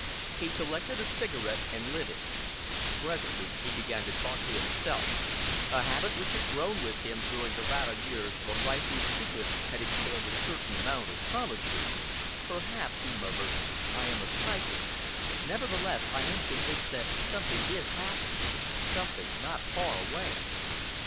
He selected a cigarette and lit it. Presently he began to talk to himself, a habit which had grown upon him during the latter years of a life whose secret had entailed a certain amount of solitude. "Perhaps," he murmured, "I am psychic. Nevertheless, I am convinced that something is happening, something not far away."